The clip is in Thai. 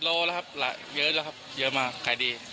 โลแล้วครับเยอะแล้วครับเยอะมากขายดี